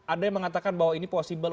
ada yang mengatakan bahwa ini possible